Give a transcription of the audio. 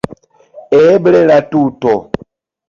Eble la tuto.